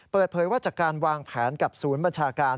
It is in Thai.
เปิดเผยว่าจากการวางแผนกับศูนย์บัญชาการ